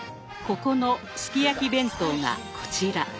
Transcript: ここの「すき焼き弁当」がこちら。